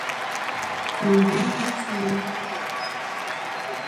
Nam ɦal gursuna maŋ wayamma.